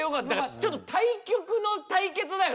ちょっと対極の対決だよ